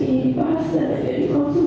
ini dipaksa dan jadi konsumsi